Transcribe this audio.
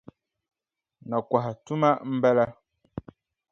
Nakɔha tuma m-bala.